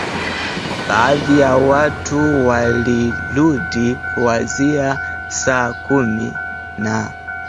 Baadhi ya watu waliruka kuanzia saa kumi na